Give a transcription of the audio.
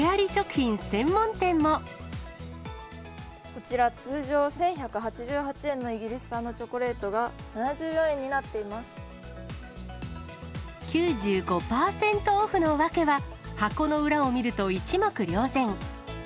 こちら、通常１１８８円のイギリス産のチョコレートが、９５％オフの訳は、箱の裏を見ると一目瞭然。